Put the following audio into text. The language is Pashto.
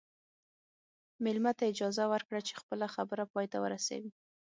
مېلمه ته اجازه ورکړه چې خپله خبره پای ته ورسوي.